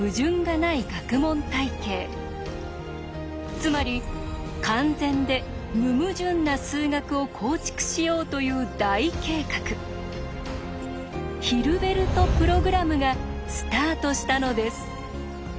つまり完全で無矛盾な数学を構築しようという大計画ヒルベルト・プログラムがスタートしたのです。